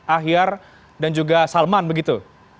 ahyar dan juga salman begitu